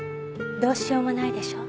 どうしようもないでしょ。